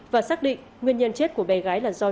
và xác định nguyên nhân chết của bé gái là do